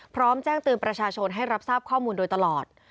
พร้อมแจ้งเตือนประชาชนให้รับทราบข้อมูลโดยตลอด